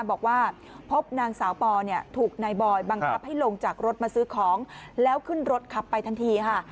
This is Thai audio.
บอกว่าพบนางสาวปอเนี่ยถูกนายบอยบังคับให้ลงจากรถมาซื้อของแล้วขึ้นรถขับไปทันทีค่ะ